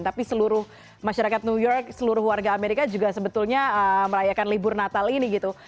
tapi seluruh masyarakat new york seluruh warga amerika juga sebetulnya merayakan libur natal ini gitu